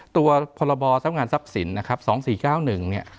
ตัวพรบทรัพย์งานทรัพย์สินนะครับสองสี่เก้าหนึ่งเนี่ย